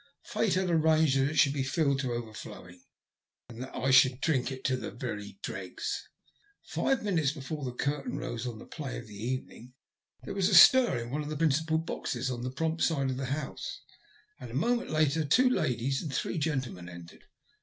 Fate had arranged that it should be filled to overflowing, and that I should drink it to the very dregs. Five minutes before the curtain rose on the play of the evening, there was a stir in one of the principal boxes on the prompt side of the side of the house, and a moment later two ladies and three gentlemen entered.